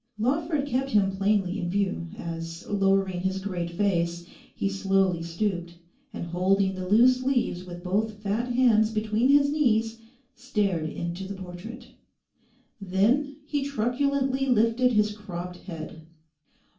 Lawford kept him plainly in view, as, lowering his great face, he slowly stooped, and holding the loose leaves with both fat hands between his knees, stared into the portrait. Then he truculently lifted his cropped head.